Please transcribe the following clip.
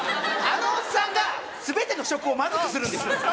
あのおっさんが全ての食をまずくするんです。